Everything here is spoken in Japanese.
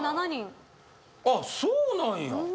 あっそうなんや。